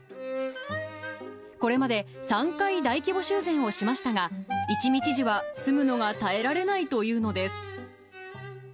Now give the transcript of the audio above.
これまで３回大規模修繕をしましたが、一見知事は、住むのが耐えられないというのです。